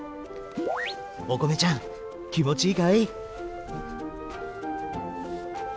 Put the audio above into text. おこめちゃんきもちいいかい？